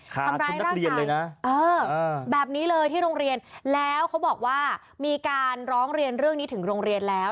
ทำร้ายร่างกายแบบนี้เลยที่โรงเรียนแล้วเขาบอกว่ามีการร้องเรียนเรื่องนี้ถึงโรงเรียนแล้ว